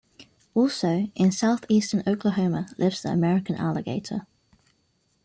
Also, in southeastern Oklahoma lives the American alligator.